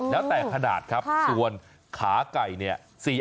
แล้วแต่ขนาดครับส่วนขาไก่เนี่ย